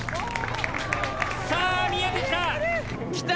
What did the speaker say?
さあ見えてきた。